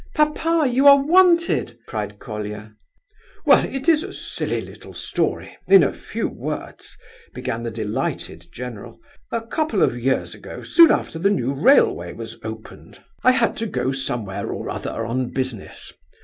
"Papa, you are wanted!" cried Colia. "Well, it is a silly little story, in a few words," began the delighted general. "A couple of years ago, soon after the new railway was opened, I had to go somewhere or other on business.